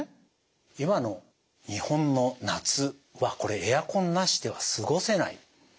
今の日本の夏はこれエアコンなしでは過ごせないと思います。